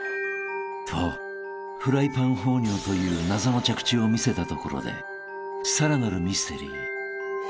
［とフライパン放尿という謎の着地を見せたところでさらなるミステリー］